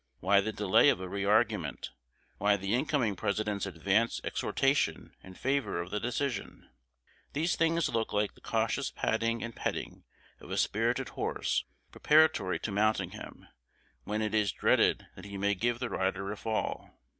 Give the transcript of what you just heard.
Why the delay of a re argument? Why the incoming President's advance exhortation in favor of the decision? These things look like the cautious patting and petting of a spirited horse preparatory to mounting him, when it is dreaded that he may give the rider a fall.